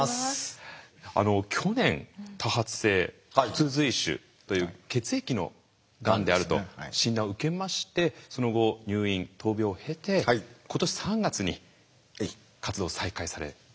去年多発性骨髄腫という血液のがんであると診断を受けましてその後入院・闘病を経て今年３月に活動を再開されたんですよね。